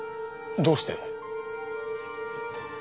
どうして？